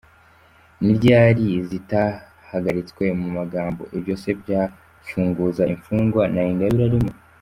Niryari zitahagaritswe mu magambo, ibyose byafunguza Imfungwa na Ingabire arimo!